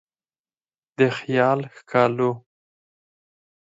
د خیال ښکالو